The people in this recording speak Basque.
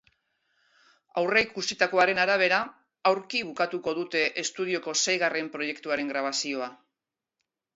Aurreikusitakoaren arabera, aurki bukatuko dute estudioko seigarren proiektuaren grabazioa.